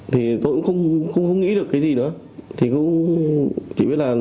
thì tôi cũng không nghĩ được cái gì nữa